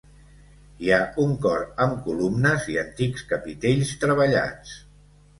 Hi ha un cor amb columnes i antics capitells treballats.